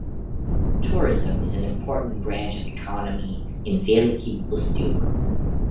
Tourism is an important branch of economy in Veliky Ustyug.